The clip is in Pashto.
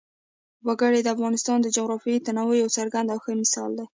وګړي د افغانستان د جغرافیوي تنوع یو څرګند او ښه مثال دی.